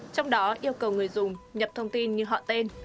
trong đó yêu cầu người dùng nhập thông tin như họ tên